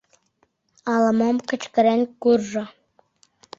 Ала-мом кычкырен куржо.